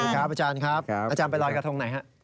สวัสดีครับอาจารย์ครับอาจารย์ไปลอยกระทงไหนฮะ